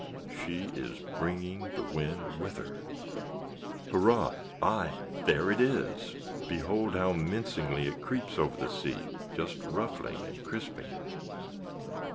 She is bringing the wind with her. Hurrah! Ay, there it is! Behold how mincingly it creeps over the sea, just ruffling and crisping it.